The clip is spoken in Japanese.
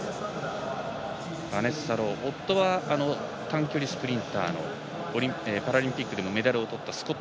バネッサ・ロー夫は短距離スプリンターのパラリンピックでもメダルをとったスコット。